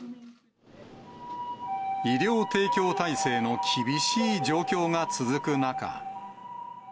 医療提供体制の厳しい状況が続く中。